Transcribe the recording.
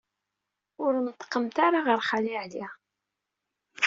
Ur neṭṭqemt ara ɣer Xali Ɛli.